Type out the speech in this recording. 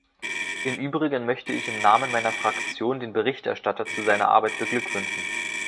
Im übrigen möchte ich im Namen meiner Fraktion den Berichterstatter zu seiner Arbeit beglückwünschen.